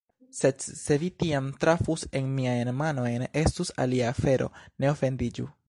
Sed se vi tiam trafus en miajn manojn, estus alia afero, ne ofendiĝu!